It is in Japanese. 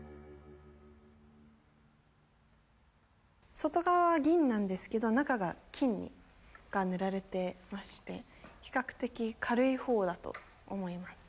外側は銀なんですけど中が金が塗られてまして比較的軽い方だと思います。